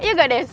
iya gak des